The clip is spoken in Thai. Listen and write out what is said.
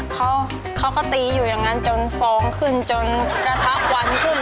เขาก็ตีอยู่อย่างนั้นจนฟองขึ้นจนกระทั่งวันขึ้น